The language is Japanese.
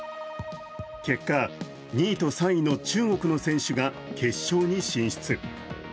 結果、２位と３位の中国の選手が決勝に進出。